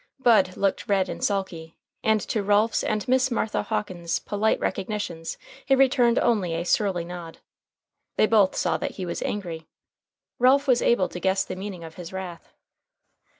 Bud looked red and sulky, and to Ralph's and Miss Martha Hawkins's polite recognitions he returned only a surly nod. They both saw that he was angry. Ralph was able to guess the meaning of his wrath.